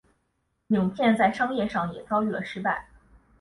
影片在商业上也遭遇了失败。